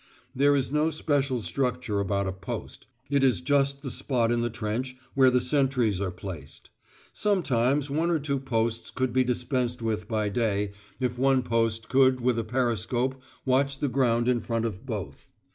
There is no special structure about a "post": it is just the spot in the trench where the sentries are placed. Sometimes one or two posts could be dispensed with by day, if one post could with a periscope watch the ground in front of both.